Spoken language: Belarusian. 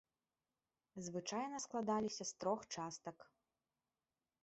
Звычайна складаліся з трох частак.